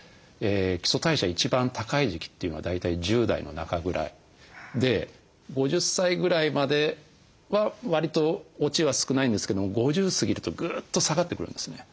基礎代謝一番高い時期というのは大体１０代の中ぐらいで５０歳ぐらいまではわりと落ちは少ないんですけども５０過ぎるとぐっと下がってくるんですね。